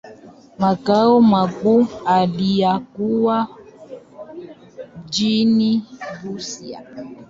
Makao makuu yalikuwa mjini Busia.